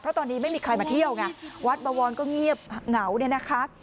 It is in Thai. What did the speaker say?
เพราะตอนนี้ไม่มีใครมาเที่ยวไงวัดบวรก็เงียบเหงาเนี่ยนะคะ